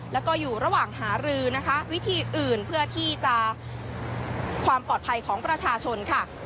และก็อยู่ระหว่างหารือวิธีอื่นเพื่อความปลอดภัยของประชาชน